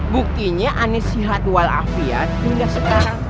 buktinya anies sihat walafiat hingga sekarang